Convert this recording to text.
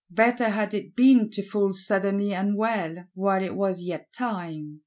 Better had it been to "fall suddenly unwell," while it was yet time.